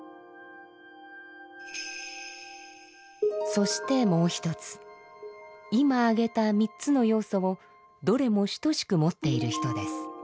そしてもう一つ今挙げた３つの要素をどれも等しく持っている人です。